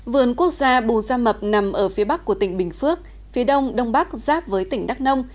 vườn quốc gia bù gia mập nằm ở phía bắc của tỉnh bình phước phía đông đông bắc giáp với tỉnh đắk nông